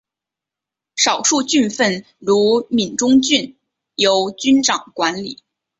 少数郡份如闽中郡由君长管理。